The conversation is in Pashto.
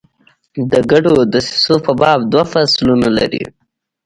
د ګډو دسیسو په باب دوه فصلونه لري.